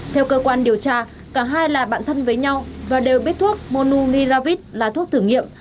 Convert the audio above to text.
theo cơ quan điều tra cả hai là bạn thân với nhau và đều biết thuốc monu niravit là thuốc thử nghiệm